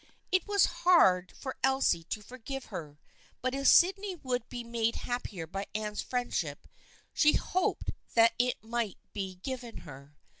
It was hard for Elsie to forgive her, but if Sydney would be made happier by Anne's friendship she hoped that it might be given her.